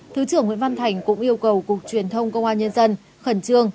thứ trưởng nguyễn văn thành cũng yêu cầu cục truyền thông công an nhân dân khẩn trương